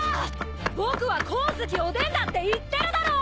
僕は光月おでんだって言ってるだろ！